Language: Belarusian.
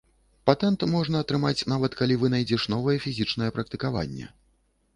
Патэнт можна атрымаць, нават калі вынайдзеш новае фізічнае практыкаванне.